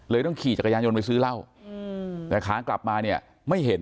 ต้องขี่จักรยานยนต์ไปซื้อเหล้าแต่ขากลับมาเนี่ยไม่เห็น